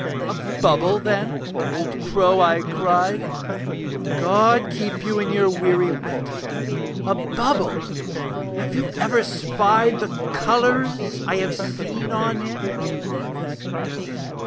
'A bubble, then, old crow,' I cried, 'God keep you in your weary wit! 'A bubble have you ever spied 'The colours I have seen on it?'